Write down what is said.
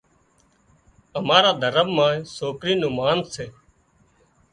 امارا دهرم مان سوڪرِي نُون مانَ سي